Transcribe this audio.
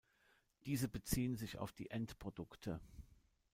Diese beziehen sich auf die Endprodukte.